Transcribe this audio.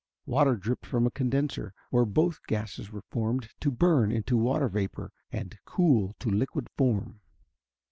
Water dripped from a condenser where both gases were formed to burn into water vapor and cool to liquid form.